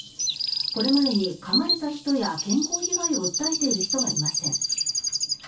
これまでにかまれた人や健康被害を訴えている人はいません。